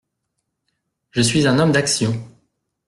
«Je suis un homme d’action.